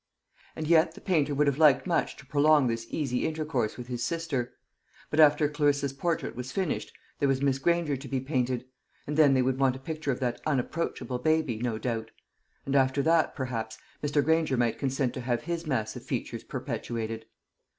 And yet the painter would have liked much to prolong this easy intercourse with his sister. But after Clarissa's portrait was finished, there was Miss Granger to be painted; and then they would want a picture of that unapproachable baby, no doubt; and after that, perhaps, Mr. Granger might consent to have his massive features perpetuated.